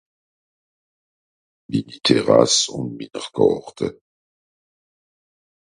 minni Terrasse un minner Gàrte